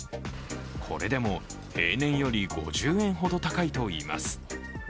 これでも平年より５０円ほど高いといいます。